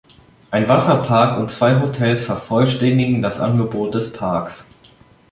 Ein Wasserpark und zwei Hotels vervollständigen das Angebot des Parks.